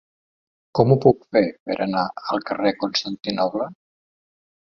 Com ho puc fer per anar al carrer de Constantinoble?